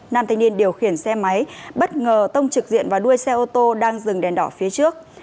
nam thanh niên điều khiển xe máy bất ngờ tông trực diện vào đuôi xe ô tô đang dừng đèn đỏ phía trước